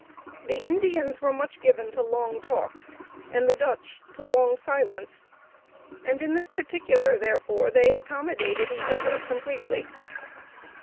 The Indians were much given to long talks, and the Dutch to long silence; in this particular, therefore, they accommodated each other completely.